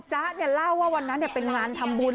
จ๊ะเล่าว่าวันนั้นเป็นงานทำบุญ